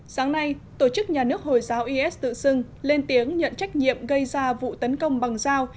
sáng nay tổ chức nhà nước hồi giáo is tự xưng lên tiếng nhận trách nhiệm gây ra vụ tấn công bằng dao